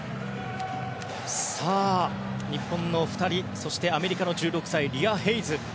日本の２人そしてアメリカの１６歳リア・ヘイズ。